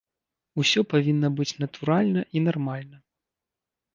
Усё павінна быць натуральна і нармальна.